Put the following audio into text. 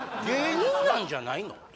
芸人なんじゃないの？